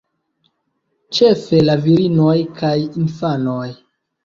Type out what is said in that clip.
Ĉefe la virinoj kaj infanoj.